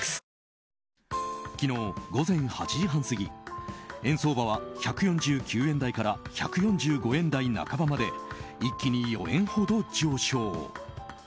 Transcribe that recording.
昨日、午前８時半過ぎ円相場は１４９円台から１４５円台半ばまで一気に４円ほど上昇。